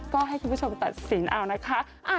ก็ให้คุณผู้ชมตัดสินเอานะคะ